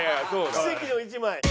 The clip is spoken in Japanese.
奇跡の１枚。